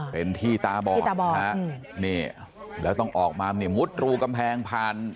เป็นที่ตาบอดตาบอดฮะนี่แล้วต้องออกมาเนี่ยมุดรูกำแพงผ่าน